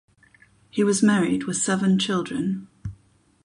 He was married with seven children.